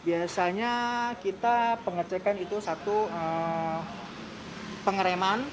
biasanya kita pengecekan itu satu pengereman